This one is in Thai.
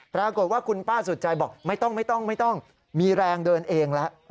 ปรากฏว่าคุณป้าสุดใจบอกไม่ต้องไม่ต้องมีแรงเดินเองแล้ว